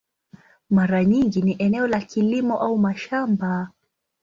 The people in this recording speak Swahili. Mara nyingi ni eneo la kilimo au mashamba.